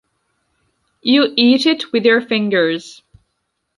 You eat it with your fingers.